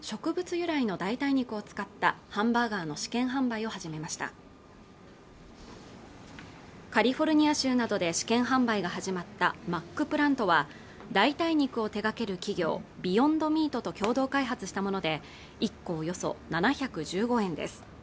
由来の代替肉を使ったハンバーガーの試験販売を始めましたカリフォルニア州などで試験販売が始まったマックプラントは代替肉を手がける企業ビヨンドミートと共同開発したもので１個およそ７１５円です